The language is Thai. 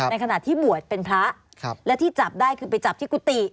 ในขณะที่บวชเป็นพระและที่จับได้คือไปจับที่กุฏิ